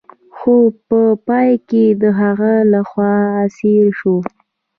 خو په پای کې د هغه لخوا اسیر شو.